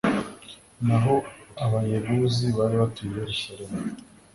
naho abayebuzi bari batuye i yeruzalemu